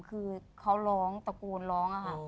คือเขาร้องตระกูลร้อง